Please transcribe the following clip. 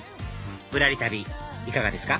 ぶらり旅いかがですか？